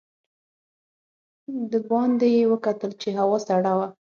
د باندې یې وکتل چې هوا سړه وه.